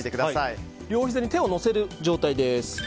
両ひざに手をのせる状態です。